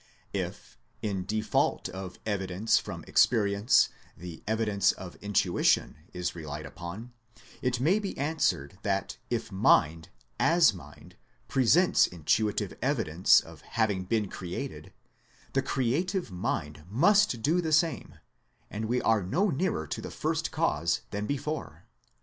If, in default of evidence from experience, the evidence of intuition is relied upon, it may be answered that if Mind, as Mind, presents intuitive evidence of having been created, the Creative Mind must do the same, and we are no nearer to the First Cause than before.